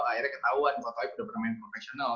akhirnya ketauan toib udah pernah main profesional